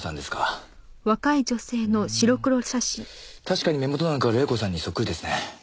確かに目元なんかは黎子さんにそっくりですね。